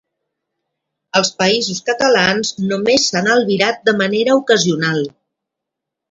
Als Països Catalans només s'han albirat de manera ocasional.